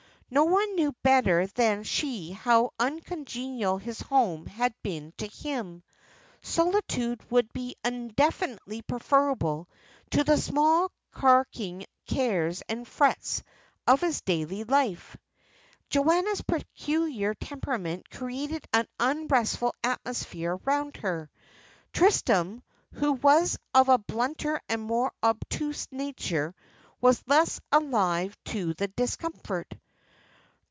No one knew better than she how uncongenial his home had been to him. Solitude would be infinitely preferable to the small carking cares and frets of his daily life. Joanna's peculiar temperament created an unrestful atmosphere round her. Tristram, who was of a blunter and more obtuse nature, was less alive to the discomfort.